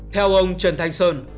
theo ông trần thanh sơn